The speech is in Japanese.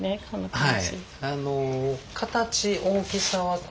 はい。